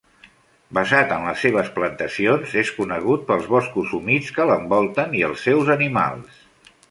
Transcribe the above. Basat en les seves plantacions, és conegut pels boscos humits que l'envolten i els seus animals.